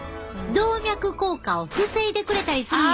動脈硬化を防いでくれたりするんやで！